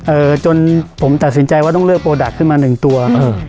เอ่อจนผมตัดสินใจว่าต้องเลือกโปรดักต์ขึ้นมาหนึ่งตัวเออ